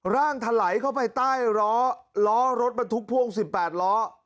ร่างทะไหลเข้าไปใต้ล้อล้อรถมันทุกพ่วง๑๘ล้อ